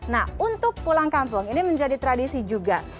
nah untuk pulang kampung ini menjadi tradisi juga